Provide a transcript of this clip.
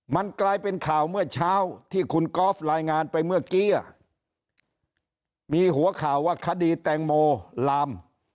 มันกลายเป็นข่าวเมื่อเช้าที่คุณกอล์ฟรายงานไปเมื่อกี้มีหัวข่าวว่าคดีแตงโมลาม